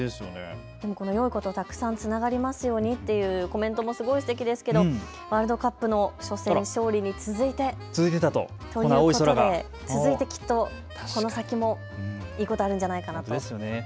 この、よいことたくさんつながりますようにというコメント、すごくすてきですけどワールドカップ、初戦勝利に続いてきっとこの先もいいことあるんじゃないかと。